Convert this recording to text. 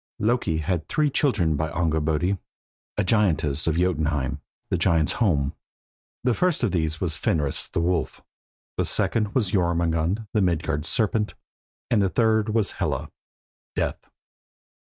Loki had three children by Angurbodi, a giantess of Jotunheim (the giants' home). The first of these was Fenris, the wolf; the second was Jörmungand, the Midgard serpent; and the third was Hela, death.